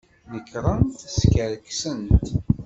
Nekṛent skerksent.